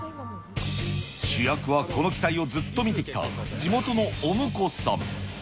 主役はこの奇祭をずっと見てきた地元のおむこさん。